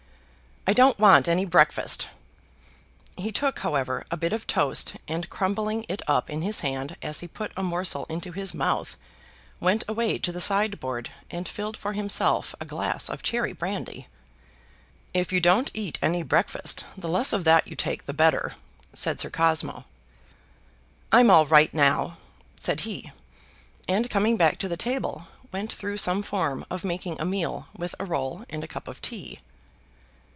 "I don't want any breakfast." He took, however, a bit of toast, and crumbling it up in his hand as he put a morsel into his mouth, went away to the sideboard and filled for himself a glass of cherry brandy. "If you don't eat any breakfast the less of that you take the better," said Sir Cosmo. "I'm all right now," said he, and coming back to the table, went through some form of making a meal with a roll and a cup of tea.